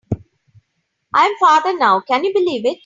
I am father now, can you believe it?